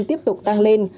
tiếp tục tăng lên